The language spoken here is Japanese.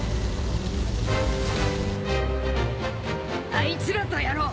あいつらとやろう。